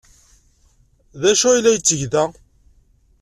D acu ay la yetteg da?